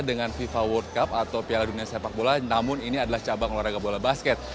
dengan fifa world cup atau piala dunia sepak bola namun ini adalah cabang olahraga bola basket